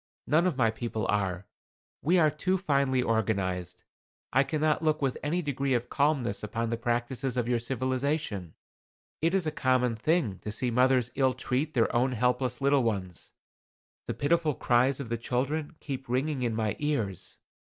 "None of my people are. We are too finely organized. I cannot look with any degree of calmness upon the practices of your civilization. It is a common thing to see mothers ill treat their own helpless little ones. The pitiful cries of the children keep ringing in my ears.